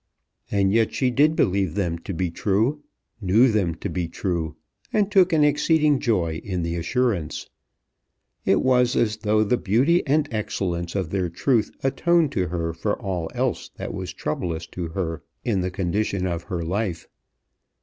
And yet she did believe them to be true, knew them to be true, and took an exceeding joy in the assurance. It was as though the beauty and excellence of their truth atoned to her for all else that was troublous to her in the condition of her life.